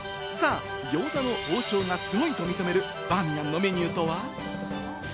餃子の王将がすごいと認めるバーミヤンのメニューとは？